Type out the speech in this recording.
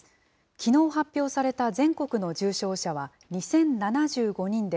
きのう発表された全国の重症者は２０７５人で、